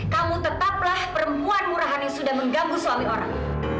kamu tetaplah perempuan murahan yang sudah mengganggu suami orang